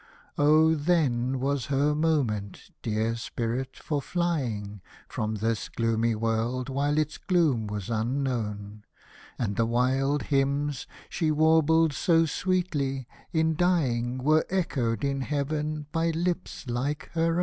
Oh, then was her moment, dear spirit, for flying From this gloomy world, while its gloom was un known — And the wild hymns she warbled so sweetly, in dying, Were echoed in Heaven by lips like her own.